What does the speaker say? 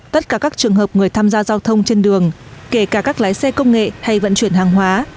tất cả các trường hợp người tham gia giao thông trên đường kể cả các lái xe công nghệ hay vận chuyển hàng hóa